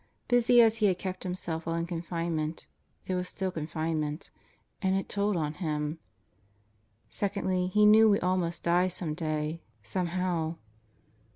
Busy as he had kept himself while in confinement, it was still confinement and it told on him. Secondly, he knew we all must die some day, some how.